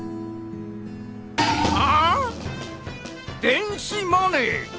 電子マネー！？